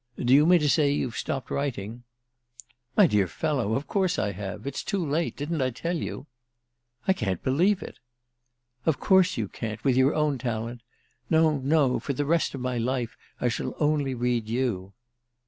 "Do you mean to say you've stopped writing?" "My dear fellow, of course I have. It's too late. Didn't I tell you?" "I can't believe it!" "Of course you can't—with your own talent! No, no; for the rest of my life I shall only read you."